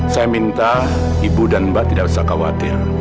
saya minta ibu dan mbak tidak usah khawatir